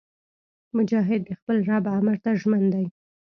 مجاهد د خپل رب امر ته ژمن دی.